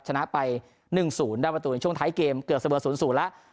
ชนะไปหนึ่งศูนย์ได้มาตรงในช่วงถ่ายเกมเกือบเสมอสูญแล้ว